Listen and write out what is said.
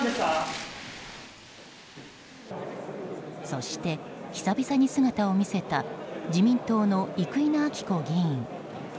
そして、久々に姿を見せた自民党の生稲晃子議員。